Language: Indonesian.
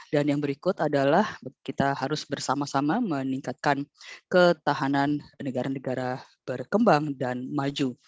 dan yang berikut adalah kita harus bersama sama meningkatkan ketahanan negara negara berkembang dan maju